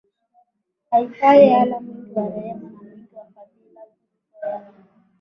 aitwaye Allah mwingi wa rehema na mwingi wa fadhila nguzo ya